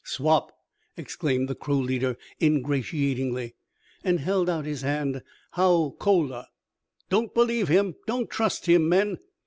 "Swap!" exclaimed the Crow leader ingratiatingly, and held out his hand. "How, cola!" "Don't believe him! Don't trust him, men!"